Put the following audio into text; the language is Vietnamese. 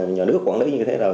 nhà nước quản lý như thế nào